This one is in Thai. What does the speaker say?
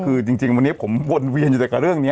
ก็คือจริงวันนี้ผมวนเวียนอยู่ในเรื่องนี้